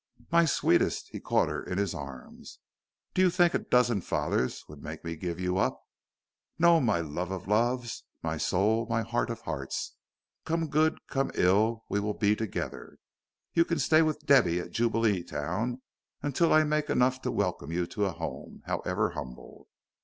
"My sweetest" he caught her in his arms "do you think a dozen fathers would make me give you up? No, my love of loves my soul, my heart of hearts come good, come ill, we will be together. You can stay with Debby at Jubileetown until I make enough to welcome you to a home, however humble.